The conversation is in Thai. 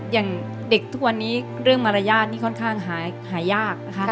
อย่างเด็กทุกวันนี้เรื่องมารยาทนี่ค่อนข้างหายากนะคะ